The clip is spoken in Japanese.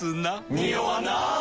ニオわない！